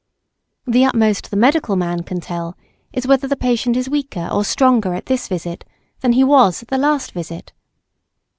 The utmost the medical man can tell is whether the patient is weaker or stronger at this visit than he was at the last visit.